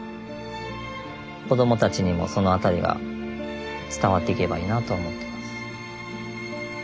子供たちにもその辺りが伝わっていけばいいなとは思ってます。